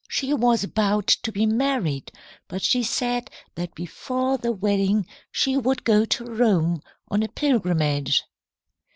She was about to be married, but she said that before the wedding she would go to Rome on a pilgrimage.